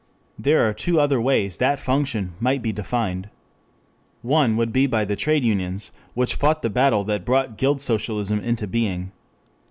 There are two other ways that function might be defined. One would be by the trade unions which fought the battle that brought guild socialism into being.